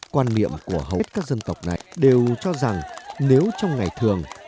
quan niệm của hầu hết các dân tộc này đều cho rằng nếu trong ngày thường